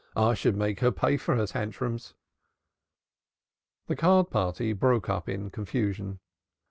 "I should make her pay for her tantrums." The card party broke up in confusion.